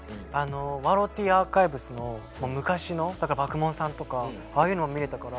ワロティアーカイブスの昔の爆問さんとかああいうの見れたから。